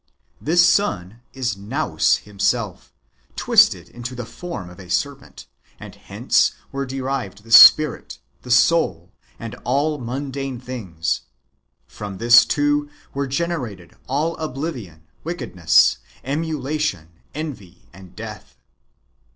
This son is Nous himself, twisted into the form of a serpent;" and hence were derived the spirit, the soul, and all mundane things : from this too were generated all oblivion, wickedness, emulation, envy, and death.